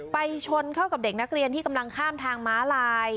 ไปชนเข้ากับเด็กนักเรียนที่กำลังข้ามทางม้าลาย